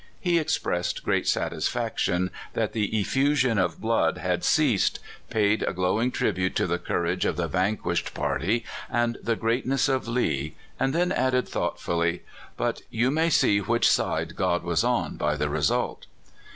He expressed great satis faction that the effusion of blood had ceased, paid a glowing tribute to the courage of the vanquished party and the greatness of Lee, and then added, thoughtfully —" But you may see which side God was on by the result."